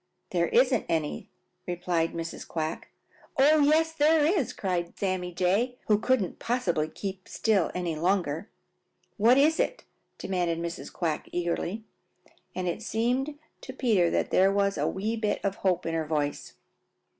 "There isn't any," replied Mrs. Quack. "Oh, yes, there is!" cried Sammy Jay, who couldn't possibly keep still any longer. "What is it?" demanded Mrs. Quack eagerly, and it seemed to Peter that there was a wee bit of hope in her voice.